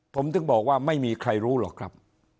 ผมถึงบอกว่าไม่มีใครรู้หรอกครับ